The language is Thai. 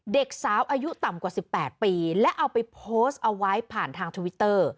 เด็กสาวอายุต่ำกว่า๑๘ปีและเอาไปโพสต์เอาไว้ผ่านทางทวิตเตอร์